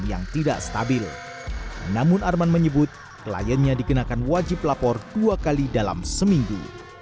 yang tidak stabil namun arman menyebut kliennya dikenakan wajib lapor dua kali dalam seminggu